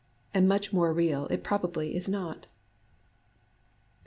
And much more real it probably is not.